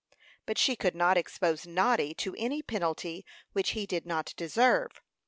But she could not expose Noddy to any penalty which he did not deserve.